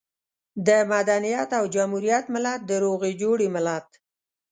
د مدنيت او جمهوريت ملت، د روغې جوړې ملت.